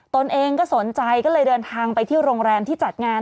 ตนเองก็สนใจก็เลยเดินทางไปที่โรงแรมที่จัดงาน